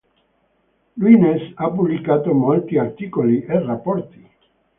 Luynes ha pubblicato molti articoli e rapporti.